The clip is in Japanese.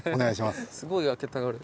すごい開けたがる。